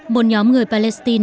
một nhóm người palestine